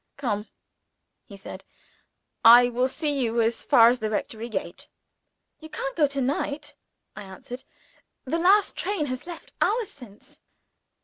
"Come!" he said. "I will see you as far as the rectory gate. "You can't go to night," I answered. "The last train has left hours since."